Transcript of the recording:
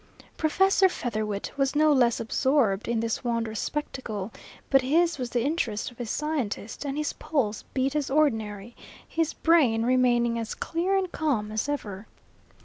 Professor Featherwit was no less absorbed in this wondrous spectacle, but his was the interest of a scientist, and his pulse beat as ordinary, his brain remaining as clear and calm as ever.